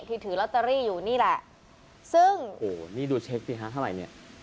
ที่ถือล็อตเตอรี่อยู่นี่แหละซึ่งโหนี่ดูเชฟสิฮะเท่าไรเนี้ย